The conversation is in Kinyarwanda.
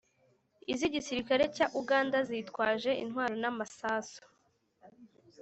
iz'igisirikari cya uganda, zitwaje intwaro n'amasasu